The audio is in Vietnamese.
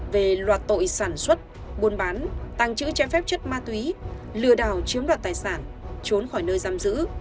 về loạt tội sản xuất buôn bán tàng trữ trái phép chất ma túy lừa đảo chiếm đoạt tài sản trốn khỏi nơi giam giữ